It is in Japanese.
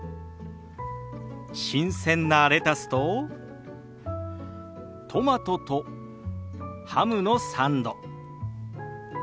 新鮮なレタスとトマトとハムのサンド。